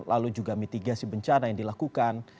lalu juga mitigasi bencana yang dilakukan